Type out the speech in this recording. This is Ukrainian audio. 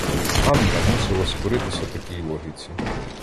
Ганна мусила скоритися такій логіці.